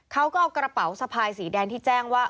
เขาก็เอากระเป๋าสะพายสีแดงที่แจ้งว่า